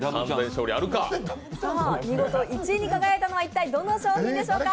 見事１位に輝いたのはどの商品でしょうか。